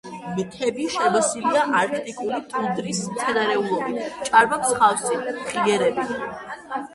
მთები შემოსილია არქტიკული ტუნდრის მცენარეულობით, ჭარბობს ხავსი, მღიერები.